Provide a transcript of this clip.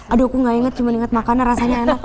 aduh aku nggak ingat cuma ingat makannya rasanya enak